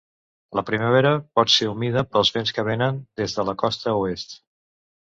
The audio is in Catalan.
La primavera pot ser humida pels vents que vénen des de la costa oest.